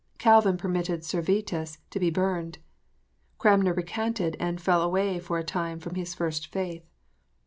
Calvin permitted Servetus to be burned. Cranmer recanted and fell away for a time from his first faith.